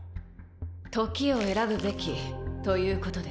時を選ぶべきということです。